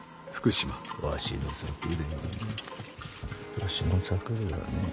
わしの策ではねえ。